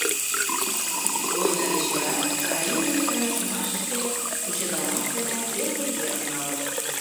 Война деч вара районный таҥасымашыште кучедалмаш дене первый верым налын.